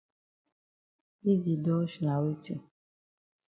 Yi di dodge na weti?